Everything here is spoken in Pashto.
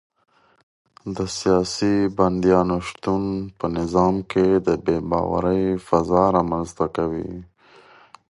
د سیاسي بندیانو شتون په نظام کې د بې باورۍ فضا رامنځته کوي.